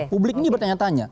publik ini bertanya tanya